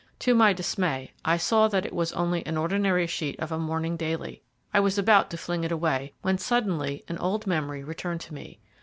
To my dismay, I saw that it was only an ordinary sheet of a morning daily. I was about to fling it away, when suddenly an old memory returned to me.